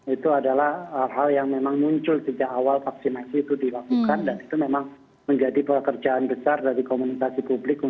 itu adalah hal yang memang muncul sejak awal vaksinasi itu dilakukan dan itu memang menjadi pekerjaan besar dari komunikasi publik